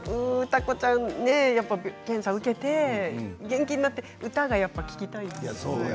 歌子ちゃんね検査を受けて元気になって歌が聴きたいですよ。